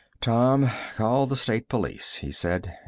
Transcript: "Tom, call the State Police," he said.